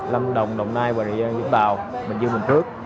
lâm đồng đồng nai và địa dương vũng bào bình dương bình thước